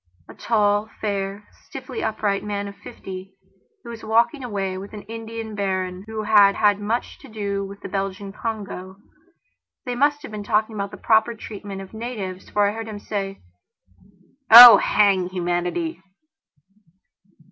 A tall, fair, stiffly upright man of fifty, he was walking away with an Italian baron who had had much to do with the Belgian Congo. They must have been talking about the proper treatment of natives, for I heard him say: "Oh, hang humanity!"